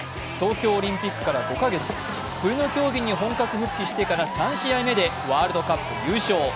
東京オリンピックから５カ月、冬の競技に本格復帰してから３試合目でワールドカップ優勝。